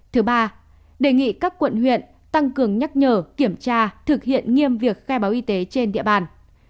thứ ba đề nghị các quận huyện tăng cường nhắc nhở kiểm tra thực hiện nghiêm việc khai báo y tế trên địa bàn